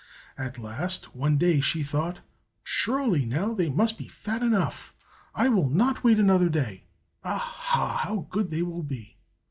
At last, one day she thought, "Surely, now they must be fat enough! I will not wait another day. Aha! how good they will be!"